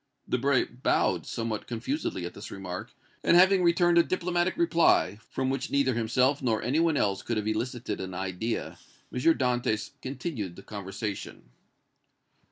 Debray bowed somewhat confusedly at this remark, and having returned a diplomatic reply, from which neither himself nor any one else could have elicited an idea, M. Dantès continued the conversation.